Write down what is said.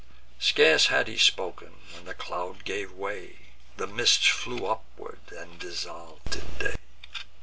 Scarce had he spoken, when the cloud gave way, The mists flew upward and dissolv'd in day.